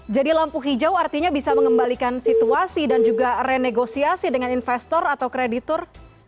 jadi lampu hijau artinya bisa mengembalikan situasi dan juga renegosiasi dengan investor atau kreditur